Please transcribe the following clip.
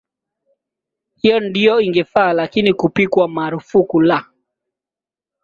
hiyo ndiyo ingefaa lakini kupikwa marufuku la